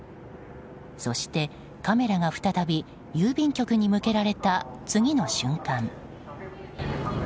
そして、カメラが再び郵便局に向けられた次の瞬間。